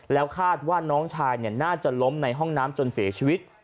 แล้วคาดว่าน้องชายน่าจะล้มในห้องน้ำจนเสียชีวิต